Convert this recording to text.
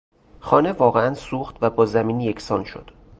خانه واقعا سوخت و با زمین یکسان شد.